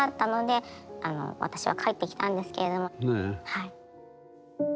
はい。